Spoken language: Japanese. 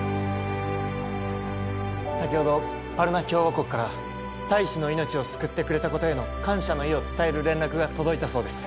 先ほどパルナ共和国から大使の命を救ってくれたことへの感謝の意を伝える連絡が届いたそうです